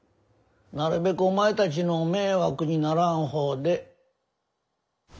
なるべくお前たちの迷惑にならん方で。